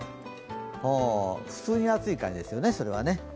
普通に暑い感じですよね、それはね